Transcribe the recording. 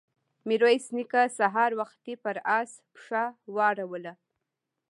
ميرويس نيکه سهار وختي پر آس پښه واړوله.